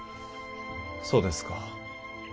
そうですか。